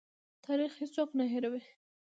تاریخ څوک نه هیروي